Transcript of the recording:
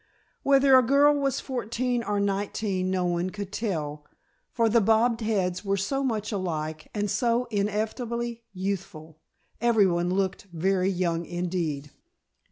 Whether a girl was fourteen or nineteen no one could tell, for the bobbed heads were so much alike and so ineffably youthful, everyone looked very young indeed.